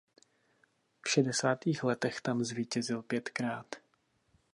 V šedesátých letech tam zvítězil pětkrát.